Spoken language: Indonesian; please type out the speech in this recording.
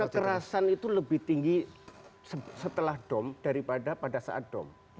kekerasan itu lebih tinggi setelah dom daripada pada saat dom